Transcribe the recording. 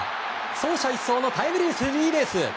走者一掃のタイムリースリーベース！